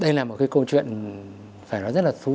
đây là một cái câu chuyện phải nói rất là thú